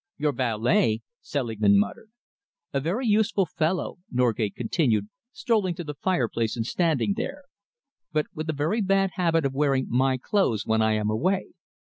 "Your valet!" Selingman muttered. "A very useful fellow," Norgate continued, strolling to the fireplace and standing there, "but with a very bad habit of wearing my clothes when I am away.